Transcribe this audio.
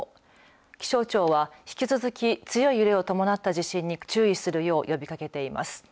気象庁は引き続き強い揺れを伴った地震に注意するよう呼びかけています。